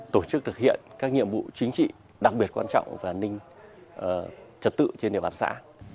tổ chức thực hiện các nhiệm vụ chính trị đặc biệt quan trọng về an ninh trật tự trên địa bàn xã